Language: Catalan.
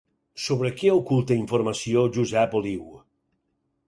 Sobre què oculta informació Josep Oliu?